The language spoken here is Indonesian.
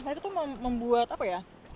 mereka tuh membuat apa ya